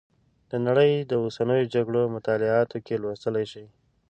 د نړۍ د اوسنیو جګړو مطالعاتو کې لوستلی شئ.